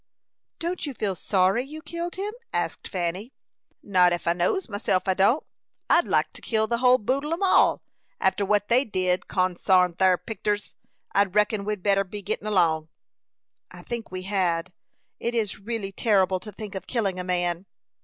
"Don't you feel sorry you killed him?" asked Fanny. "Not ef I knows myself, I don't. I'd like to kill the whole boodle on 'em, after what they've did, consarn thar picters! I reckon we'd better be go'n along." "I think we had. It is really terrible to think of killing a man."